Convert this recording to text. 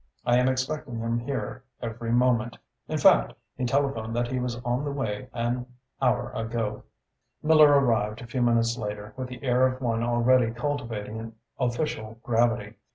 I am expecting him here every moment in fact, he telephoned that he was on the way an hour ago." Miller arrived, a few minutes later, with the air of one already cultivating an official gravity.